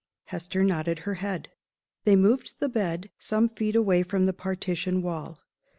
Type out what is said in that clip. Hester nodded her head. They moved the bed some feet away from the partition wall.